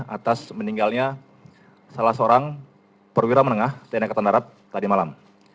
atas meninggalnya salah seorang perwira menengah tni angkatan darat tadi malam